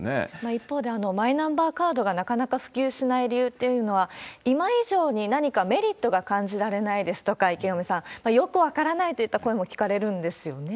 一方で、マイナンバーカードがなかなか普及しない理由というのは、今以上に何かメリットが感じられないですとか、池上さん、よく分からないといった声も聞かれるんですよね。